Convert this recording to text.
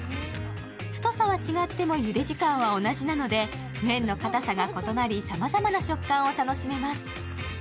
太さは違っても、ゆで時間は同じなので麺のかたさが異なり、さまざまな食感をの楽しめます。